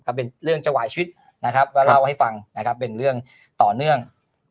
ก็เป็นเรื่องจวายชีวิตนะครับก็เล่าให้ฟังนะครับเป็นเรื่องต่อเนื่อง